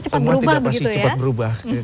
semuanya cepat berubah begitu ya